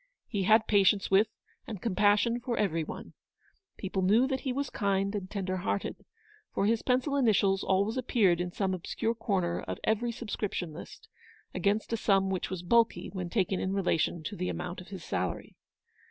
He had patience with and compassion for every one. People knew that he was kind and tender hearted; for his pencil initials always appeared in some obscure corner of every subscription list, against a sum which was bulky when taken in relation to the amount of his salary.